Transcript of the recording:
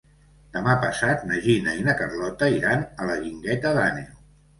Demà passat na Gina i na Carlota iran a la Guingueta d'Àneu.